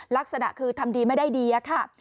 ลักษณะคือทำดีไม่ได้ดีอะค่ะ